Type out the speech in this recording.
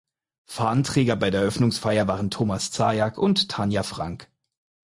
Fahnenträger bei der Eröffnungsfeier waren Thomas Zajac und Tanja Frank.